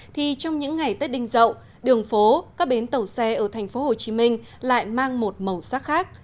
thì trong những ngày tết đinh dậu đường phố các bến tàu xe ở tp hcm lại mang một màu sắc khác